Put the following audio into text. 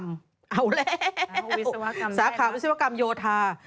เอาแล้วสาขาวิศวกรรมโยธา